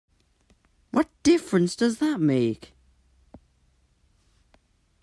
What difference does that make?